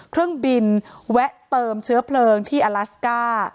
เครื่องบินแวะเติมเชื้อเพลิงที่อลาสก้า